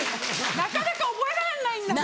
なかなか覚えられないんだもん。